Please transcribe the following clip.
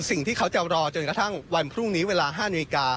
สิ่งที่เขาจะรอจนกระทั่งวันพรุ่งนี้เวลา๕นาฬิกา